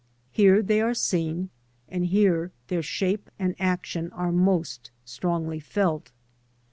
Here they are seen, and here their shape and action are most strongly felt.